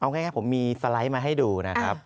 เอาง่ายผมมีสไลด์มาให้ดูนะครับ